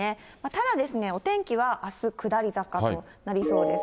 ただお天気はあす、下り坂となりそうです。